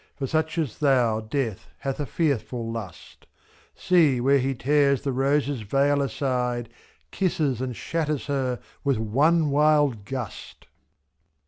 For such as thou Death hath a fearful lust, — iX»»See, where he tears the rose's veil aside. Kisses and shatters her with one wild gust.